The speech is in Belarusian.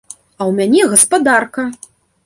А ў мяне гаспадарка!